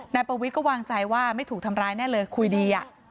นายประวิทย์ก็วางใจว่าไม่ถูกทำร้ายแน่เลยคุยดี